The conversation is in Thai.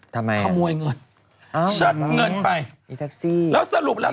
ทำไมขโมยเงินเชิดเงินไปมีแท็กซี่แล้วสรุปแล้ว